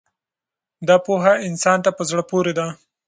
دا پوهه انسان ته په زړه پورې ده.